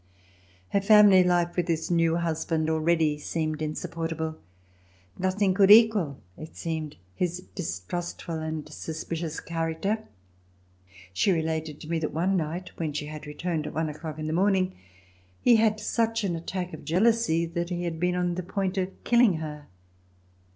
Her family life with this new husband already seemed in supportable. Nothing could equal, it seemed, his dis trustful and suspicious character. She related to me that one night, when she returned at one o'clock in the morning, he had such an attack of jealousy that he had been upon the point of killing her.